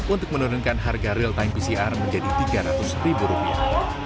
untuk menurunkan harga real time pcr menjadi tiga ratus ribu rupiah